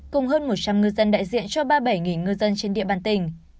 cùng hơn một trăm linh ngư dân đại diện cho ba mươi bảy ngư dân trên địa bàn tỉnh